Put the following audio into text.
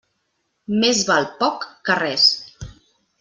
Més val poc que res.